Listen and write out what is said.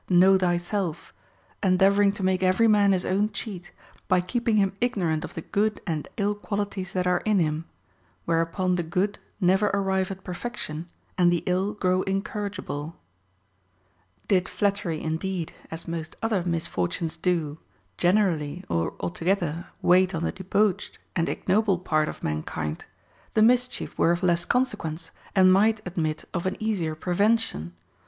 Know thyself, endeavoring to make every man his own cheat, by keeping him ignorant of the good and ill qualities that are in him ; whereupon the good never arrive at perfection, and the ill grow incorrigible. 2. Did flattery, indeed, as most other misfortunes do, generally or altogether wait on the debauched and ignoble part of mankind, the mischief were of less consequence, and might admit of an easier prevention.